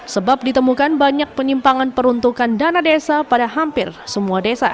sebab ditemukan banyak penyimpangan peruntukan dana desa pada hampir semua desa